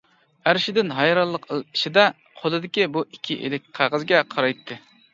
ئەرشىدىن ھەيرانلىق ئىچىدە قولىدىكى بۇ ئىككى ئىلىك قەغەزگە قارايتتى.